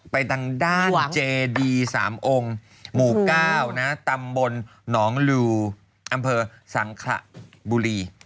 ไปทางด้านเจดี๓องค์หมู่๙ตำบลหนองลูอำเภอสังขระบุรี